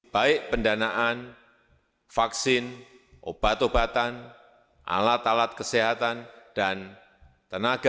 baik pendanaan vaksin obat obatan alat alat kesehatan dan tenaga